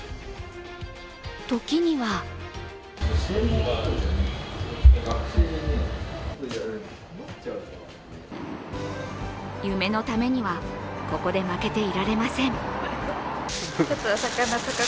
時には夢のためにはここで負けていられません。